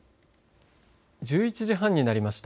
１１時半になりました。